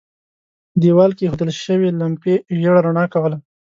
په دېوال کې اېښودل شوې لمپې ژېړه رڼا کوله.